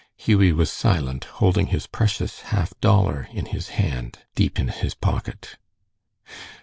Hughie was silent, holding his precious half dollar in his hand, deep in his pocket.